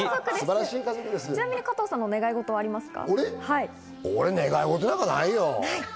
ちなみに加藤さんの願いごとはありますか？